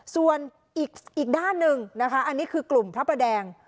ส่วนอีกด้านหนึ่งนะคะอันนี้คือกลุ่มพระประแดง